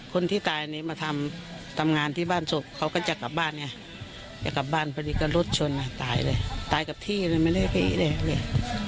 คนที่ตายนี่มาทำงานที่บ้านศพเขาก็จะกลับบ้านไงจะกลับบ้านพอดีก็รถชนตายเลยตายกับที่เลยไม่ได้ไปเลย